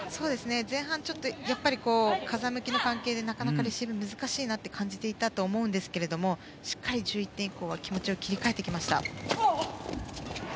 前半はちょっと風向きの関係でなかなかレシーブが難しいと感じていたと思いますがしっかりと１１点以降は気持ちを切り替えてきました。